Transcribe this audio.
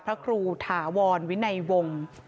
พระครูถาวรวินัยวงศ์